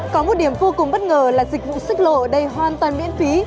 có một điểm vô cùng bất ngờ là dịch vụ xích lô ở đây hoàn toàn miễn phí